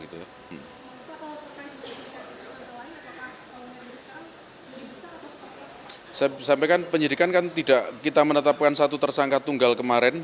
saya sampaikan penyidikan kan tidak kita menetapkan satu tersangka tunggal kemarin